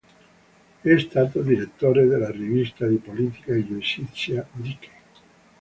È stato direttore della rivista di politica e giustizia "Dike".